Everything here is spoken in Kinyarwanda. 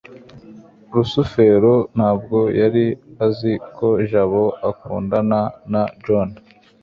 rusufero ntabwo yari azi ko jabo akundana na john